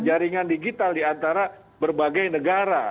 jaringan digital di antara berbagai negara